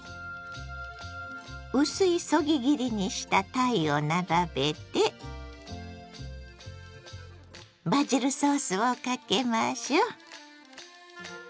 薄いそぎ切りにしたたいを並べてバジルソースをかけましょう！